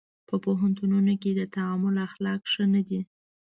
په پوهنتونونو کې د تعامل اخلاق ښه نه دي.